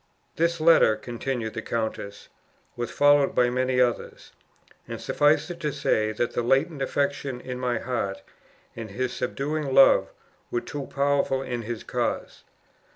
"This letter," continued the countess, "was followed by many others; and suffice it to say, that the latent affection in my heart, and his subduing love, were too powerful in his cause.